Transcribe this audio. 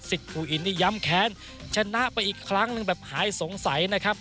ภูอินนี่ย้ำแค้นชนะไปอีกครั้งหนึ่งแบบหายสงสัยนะครับ